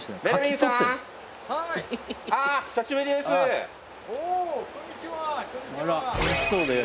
久しぶりです！